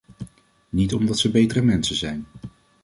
Niet omdat ze betere mensen zijn.